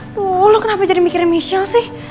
aduh lo kenapa jadi mikirin michelle sih